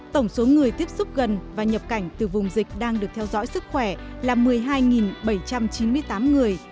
tổng số người tiếp xúc gần và nhập cảnh từ vùng dịch đang được theo dõi sức khỏe là một mươi hai bảy trăm chín mươi tám người